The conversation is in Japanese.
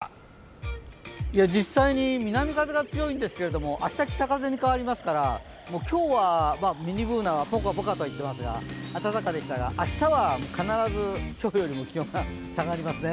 森田さん、ミニＢｏｏｎａちゃん、実際に南風が強いんですけど明日北風に変わりますから、今日はミニＢｏｏｎａはぽかぽかと言っていますが暖かでしたが、明日は必ず今日よりも気温が下がりますね。